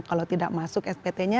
kalau tidak masuk spt nya